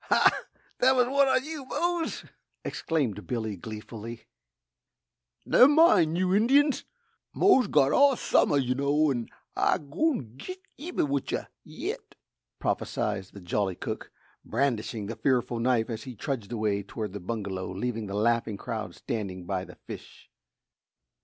"Ha! that was one on you, Mose," exclaimed Billy gleefully. "Nem mine, you Indians! Mose got all summer, yuh know, an' Ah'm gwine git eben wid yuh yit!" prophesied the jolly cook, brandishing the fearful knife as he trudged away toward the bungalow, leaving the laughing crowd standing by the fish.